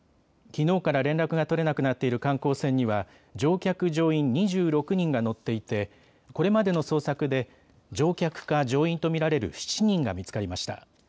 きのうから連絡が取れなくなっている観光船には乗客・乗員２６人が乗っていってこれまでの捜索で乗客か乗員と見られる７人が見つかりました。